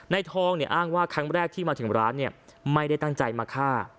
ทองเนี่ยอ้างว่าครั้งแรกที่มาถึงร้านเนี่ยไม่ได้ตั้งใจมาฆ่า